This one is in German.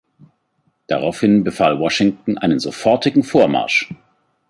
Daraufhin befahl Washington einen sofortigen Vormarsch.